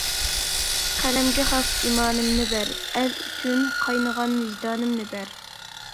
قەلەمگە خاس ئىمانىمنى بەر، ئەل ئۈچۈن قاينىغان ۋىجدانىمنى بەر.